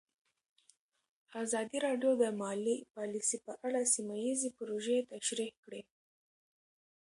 ازادي راډیو د مالي پالیسي په اړه سیمه ییزې پروژې تشریح کړې.